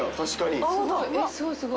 えっすごいすごい。